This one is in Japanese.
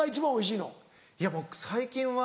いや僕最近は。